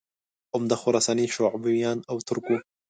عمده خراساني شعوبیان او ترک وو